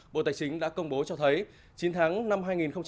bộ tài chính đã công bố cho thấy chín tháng năm hai nghìn một mươi sáu